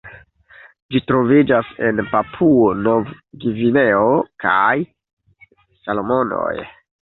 Ĝi troviĝas en Papuo-Novgvineo kaj Salomonoj.